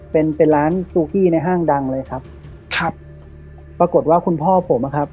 เป็นเป็นร้านซูกี้ในห้างดังเลยครับครับปรากฏว่าคุณพ่อผมอะครับ